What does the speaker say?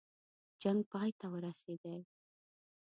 جنګ پای ته ورسېدی.